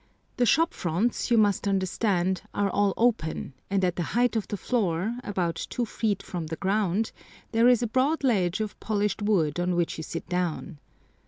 The shop fronts, you must understand, are all open, and at the height of the floor, about two feet from the ground, there is a broad ledge of polished wood on which you sit down.